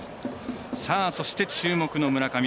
そして、注目の村上。